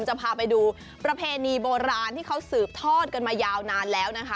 จะพาไปดูประเพณีโบราณที่เขาสืบทอดกันมายาวนานแล้วนะคะ